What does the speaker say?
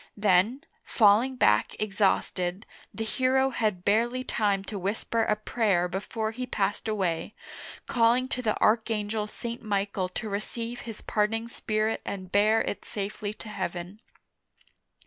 Then, falling back exhausted, the hero had barely time to whisper a prayer before he passed away, calling to the Archangel St. Michael to receive his parting spirit and bear it safely to heaven.